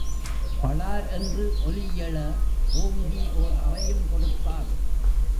பளார் என்று ஒலியெழ ஓங்கி ஓர் அறையும் கொடுத்தாள்.